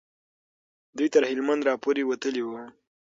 دوی تر هلمند را پورې وتلي وو.